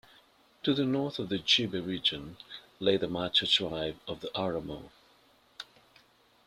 To the north of the Gibe region lay the Macha tribe of the Oromo.